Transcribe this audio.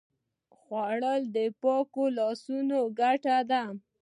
خوړل د پاکو لاسونو ګټه ده